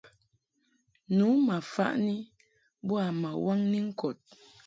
Nu ma faʼni boa ma waŋni ŋkɔd.